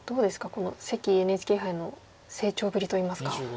この関ＮＨＫ杯の成長ぶりといいますか。